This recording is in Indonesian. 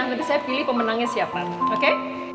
nanti saya pilih pemenangnya siapa oke